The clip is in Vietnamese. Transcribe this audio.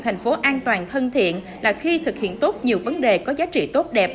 thành phố an toàn thân thiện là khi thực hiện tốt nhiều vấn đề có giá trị tốt đẹp